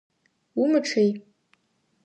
Умычъый!